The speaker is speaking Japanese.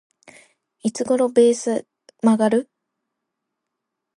いつ頃ベース曲がる？